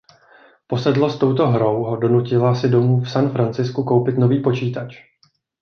Posedlost touto hrou ho donutila si domů v San Francisku koupit nový počítač.